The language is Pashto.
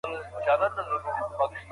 ښوونځی د زدهکوونکو د وینا مهارت وده کوي.